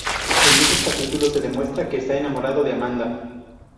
En muchos capítulos se demuestra que está enamorado de Amanda.